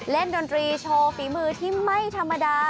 ดนตรีโชว์ฝีมือที่ไม่ธรรมดา